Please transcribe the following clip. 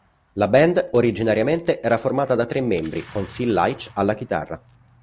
La band originariamente era formata da tre membri, con Phil Leitch alla chitarra.